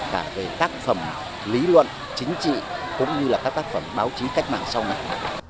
cả về tác phẩm lý luận chính trị cũng như là các tác phẩm báo chí cách mạng sau này